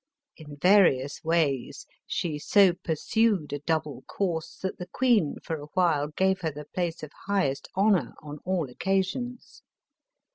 In various ways, she so pursued a double course that the queen for a while gave her the place of highest honor on all occasions.